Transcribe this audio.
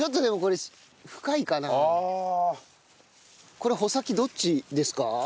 これ穂先どっちですか？